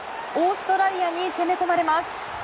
オーストラリアに攻め込まれます。